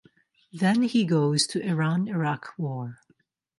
Then he goes to Iran–Iraq War.